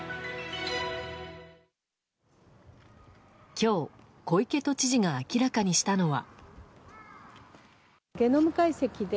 今日、小池都知事が明らかにしたのは。